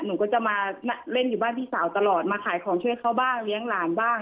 หนูก็จะมาเล่นอยู่บ้านพี่สาวตลอดมาขายของช่วยเขาบ้างเลี้ยงหลานบ้าง